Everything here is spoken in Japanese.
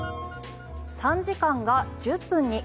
３時間が１０分に。